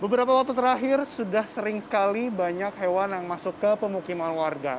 beberapa waktu terakhir sudah sering sekali banyak hewan yang masuk ke pemukiman warga